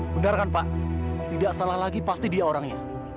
benar kan pak tidak salah lagi pasti dia orangnya